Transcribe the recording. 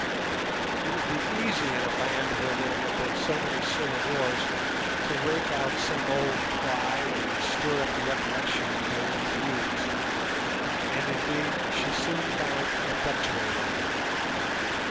It would be easy in a land where there had been so many civil wars to rake out some old cry that would stir up the recollection of buried feuds, and, indeed, she soon found an effectual one.